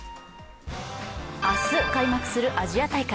明日開幕するアジア大会。